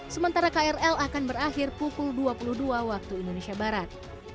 sementara krl akan berakhir pukul dua puluh dua waktu indonesia barat